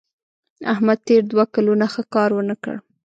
احمد تېر دوه کلونه ښه کار ونه کړ.